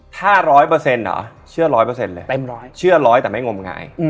ถ้า๑๐๐อ๋อเชื่อ๑๐๐เลย